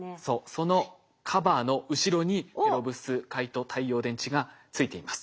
そのカバーの後ろにペロブスカイト太陽電池がついています。